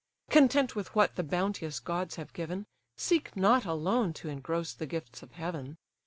Content with what the bounteous gods have given, Seek not alone to engross the gifts of Heaven.